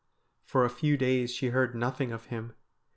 For a few days she heard nothing of him.